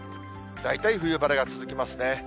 大体冬晴れが続きますね。